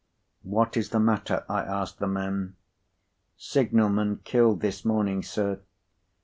"What is the matter?" I asked the men. "Signal man killed this morning, sir."